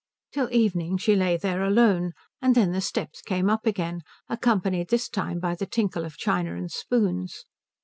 Till evening she lay there alone, and then the steps came up again, accompanied this time by the tinkle of china and spoons.